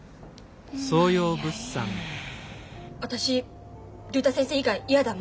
私竜太先生以外嫌だもん。